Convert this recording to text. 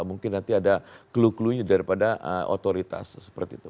mungkin nanti ada clue clue nya daripada otoritas seperti itu